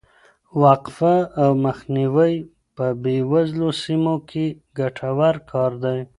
وقفه او مخنیوی په بې وزله سیمو کې ګټور کار دی.